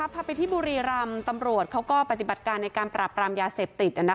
พาไปที่บุรีรำตำรวจเขาก็ปฏิบัติการในการปรับปรามยาเสพติด